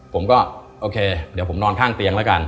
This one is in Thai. ผมก็โอเคเดี๋ยวผมนอนข้างเตียงแล้วกัน